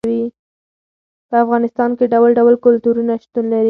په افغانستان کې ډول ډول کلتورونه شتون لري.